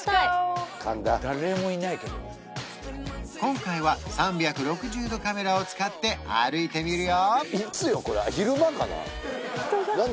今回は３６０度カメラを使って歩いてみるよ